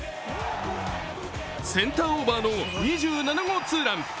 センターオーバーの２７号ツーラン。